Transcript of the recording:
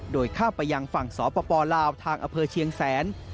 โดยข้ามไปยังฝั่งสปลาวทางอำเภอเชียงแสน